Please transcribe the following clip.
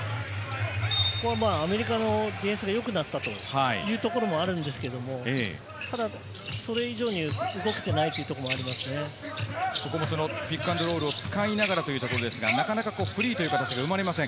そこはアメリカのディフェンスがよくなったというところもあるんですが、それ以上に動けていないということもここもピックアンドロールを使いながらですが、なかなかフリーは生まれません。